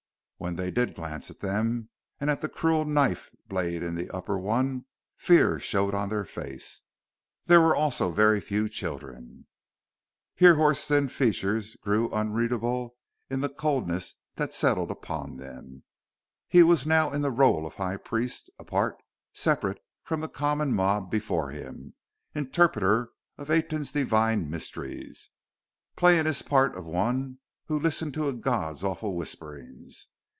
When they did glance at them, and at the cruel knife blade in the upper one, fear showed on their faces. There were also very few children.... Hrihor's thin features grew unreadable in the coldness that settled upon them. He was now in the role of High Priest: apart, separate from the common mob before him; interpreter of Aten's divine mysteries: playing his part of one who listened to a god's awful whisperings.